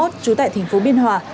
trú tại tp biên hòa